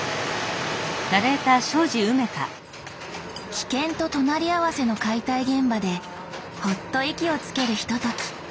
危険と隣り合わせの解体現場でほっと息をつけるひととき。